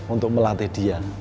untuk melatih dia